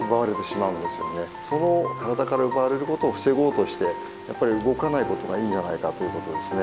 それを体から奪われることを防ごうとしてやっぱり動かないことがいいんじゃないかということですね。